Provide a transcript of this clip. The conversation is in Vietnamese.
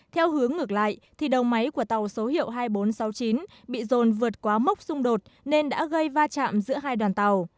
theo hướng ngược lại thì đầu máy của tàu số hiệu hai nghìn bốn trăm sáu mươi chín bị rồn vượt quá mốc xung đột nên đã gây va chạm giữa hai đoàn tàu